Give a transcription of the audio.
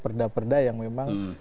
perda perda yang memang